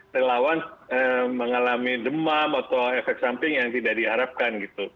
dan relawan mengalami demam atau efek samping yang tidak diharapkan